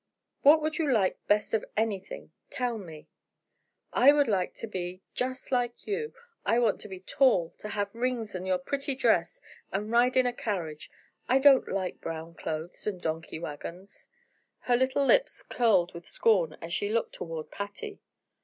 "What would you like best of anything tell me?" "I would like to be just like you! I want to be tall, to have rings, and your pretty dress, and ride in a carriage. I don't like brown clothes, and donkey wagons." Her little lips curled with scorn, as she looked toward Patty.